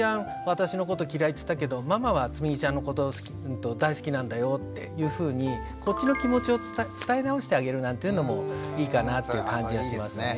私のこと嫌いって言ったけどママはつむぎちゃんのこと大好きなんだよ」っていうふうにこっちの気持ちを伝え直してあげるなんていうのもいいかなっていう感じはしますね。